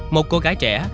một cô gái trẻ